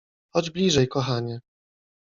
Chodź bliżej, kochanie!